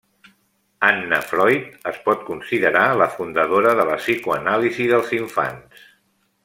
Anna Freud es pot considerar la fundadora de la psicoanàlisi dels infants.